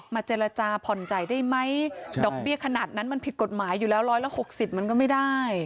เจรจาผ่อนจ่ายได้ไหมดอกเบี้ยขนาดนั้นมันผิดกฎหมายอยู่แล้วร้อยละ๖๐มันก็ไม่ได้